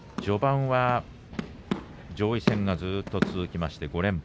序盤は上位戦がずっと続きまして５連敗。